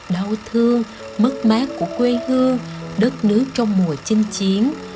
đau thương mất mát của quê hương đất nước trong mùa trinh chiến